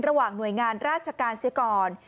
ระหว่างหน่วยงานราชการเสียก่อน